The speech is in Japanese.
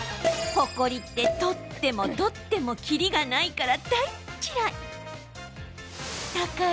ほこりって取っても取ってもきりがないから大っ嫌い。